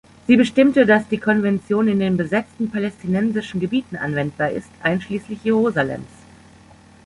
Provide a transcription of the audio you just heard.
Sie bestimmte, dass die Konvention in den besetzten palästinensischen Gebieten anwendbar ist, einschließlich Jerusalems.